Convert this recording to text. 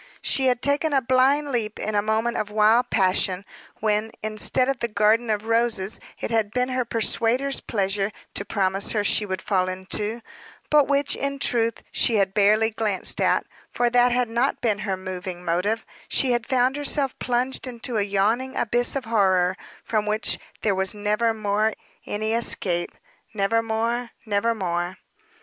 She had taken a blind leap in a moment of wild passion, when, instead of the garden of roses it had been her persuader's pleasure to promise her she would fall into, but which, in truth, she had barely glanced at, for that had not been her moving motive, she had found herself plunged into a yawning abyss of horror, from which there was never more any escape never more, never more.